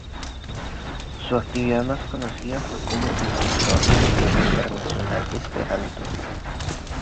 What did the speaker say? Su actividad más conocida fue como impulsor del idioma internacional esperanto.